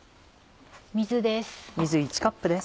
水です。